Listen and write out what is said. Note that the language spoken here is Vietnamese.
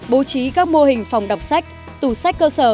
bố trí các mô hình phòng đọc sách tủ sách cơ sở